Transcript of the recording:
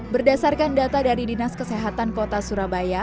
berdasarkan data dari dinas kesehatan kota surabaya